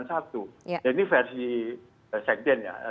jadi versi sekjen ya